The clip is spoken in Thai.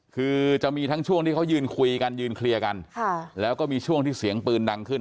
คือจะมีทั้งช่วงที่เขายืนคุยกันยืนเคลียร์กันแล้วก็มีช่วงที่เสียงปืนดังขึ้น